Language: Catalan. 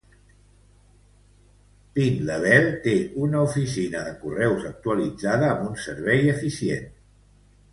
Pine Level té una oficina de correus actualitzada amb uns servei eficient.